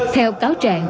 theo cáo trạng